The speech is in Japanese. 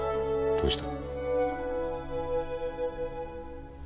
どうした？